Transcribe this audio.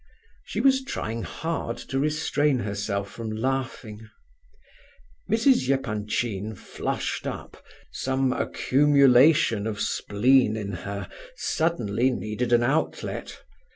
She was trying hard to restrain herself from laughing. Mrs. Epanchin flushed up; some accumulation of spleen in her suddenly needed an outlet.